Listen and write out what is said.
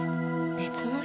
別の人？